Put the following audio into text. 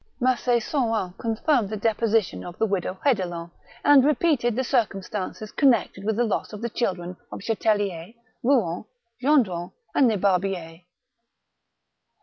Mac6 Sorin confirmed the deposition of the widow Hedelin, and repeated the circumstances connected with the loss of the children of Chatellier, Kouen, Gendron, and Lebarbier.